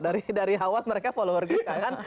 dari awal mereka follower kita kan